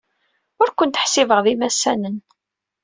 Ur kent-ḥsibeɣ d imassanen.